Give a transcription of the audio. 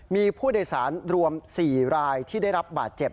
มีผู้โดยสารรวม๔รายที่ได้รับบาดเจ็บ